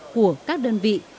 của các đồng chí